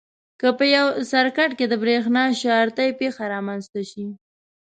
که په یو سرکټ کې د برېښنا شارټي پېښه رامنځته شي.